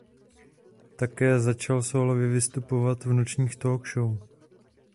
Také začal sólově vystupovat v nočních talk show.